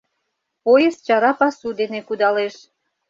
...Поезд чара пасу дене кудалеш.